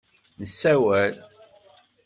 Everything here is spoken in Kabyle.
Nessawel.